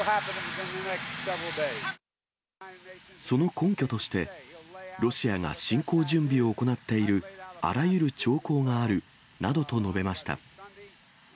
その根拠として、ロシアが侵攻準備を行っているあらゆる兆候があるなどと述べました。